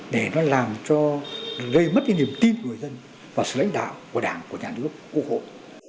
để nó làm cho gây mất cái niềm tin của người dân và sự lãnh đạo của đảng của nhà nước quốc hội